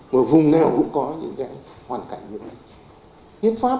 một vùng nào cũng có những hoàn cảnh như vậy